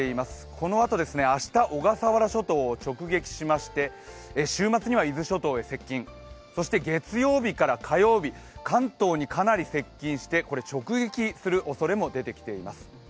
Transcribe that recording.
このあと明日、小笠原諸島を直撃しまして週末には伊豆諸島へ接近、そして月曜日から火曜日、関東にかなり接近して直撃するおそれも出てきています。